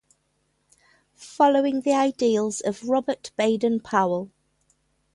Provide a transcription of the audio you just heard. Following the ideals of Robert Baden-Powell.